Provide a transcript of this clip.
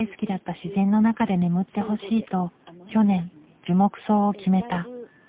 自然の中で眠ってほしいと去年樹木葬を決めた。